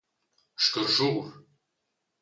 Sgarschur.